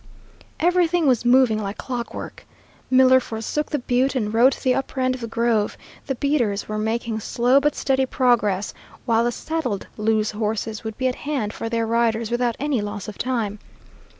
Everything was moving like clockwork. Miller forsook the Butte and rode to the upper end of the grove; the beaters were making slow but steady progress, while the saddled loose horses would be at hand for their riders without any loss of time.